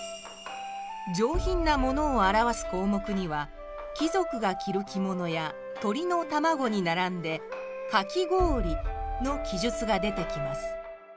上品なものを表す項目には貴族が着る着物や鳥の卵に並んでかき氷の記述が出てきます